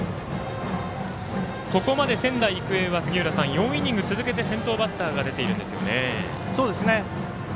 ここまで仙台育英は４イニング続けて先頭バッターが出ているんですね。